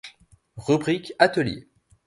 Rubrique Atelier.